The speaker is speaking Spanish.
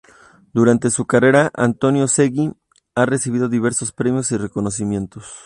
Durante su carrera, Antonio Seguí ha recibido diversos premios y reconocimientos.